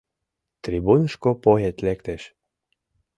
Трибунышко поэт лектеш.